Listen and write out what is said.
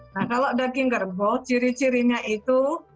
nah kalau daging kerbau ciri cirinya itu